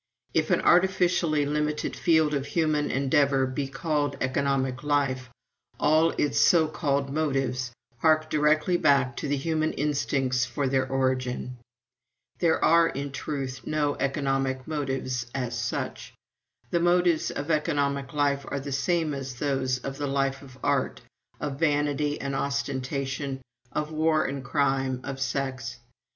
If an artificially limited field of human endeavor be called economic life, all its so called motives hark directly back to the human instincts for their origin. There are, in truth, no economic motives as such. The motives of economic life are the same as those of the life of art, of vanity and ostentation, of war and crime, of sex.